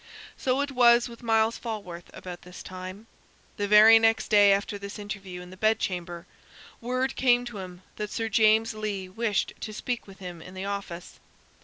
So it was with Myles Falworth about this time. The very next day after this interview in the bed chamber, word came to him that Sir James Lee wished to speak with him in the office.